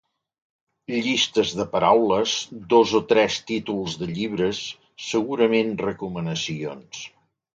Llistes de paraules, dos o tres títols de llibres, segurament recomanacions.